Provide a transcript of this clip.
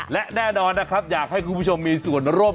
และแน่นอนนะครับอยากให้คุณผู้ชมมีส่วนร่วม